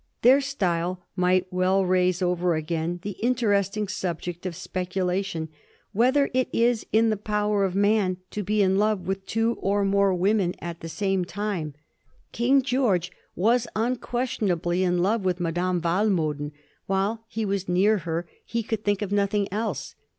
Their style might well raise over again that in teresting subject of speculation — whether it is in the power of man to be in love with two or more women al 7e A HISrORT or the FDCK OIOROEa ea.m. the same time. King Gieorge was nnquMtionablj in love with Hadame Walmoden: while bewa§ near her he could think of notfaiog else.